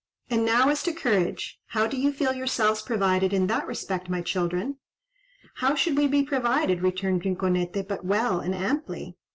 And now as to courage: how do you feel yourselves provided in that respect, my children?" "How should we be provided," returned Rinconete, "but well and amply?